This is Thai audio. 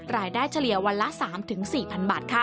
รายได้เฉลี่ยวันละ๓๔พันบาทค่ะ